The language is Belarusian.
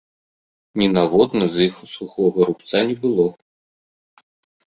Ні на водным з іх сухога рубца не было.